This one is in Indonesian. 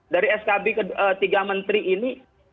dari skb tiga menteri ini